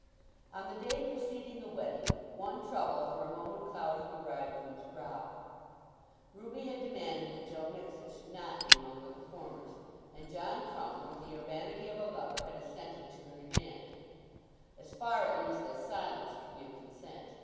On the day preceding the wedding one trouble for a moment clouded the bridegroom's brow. Ruby had demanded that Joe Mixet should not be among the performers, and John Crumb, with the urbanity of a lover, had assented to her demand, as far, at least, as silence can give consent.